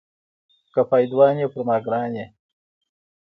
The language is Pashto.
که پایدوان یې پر ما ګران یې.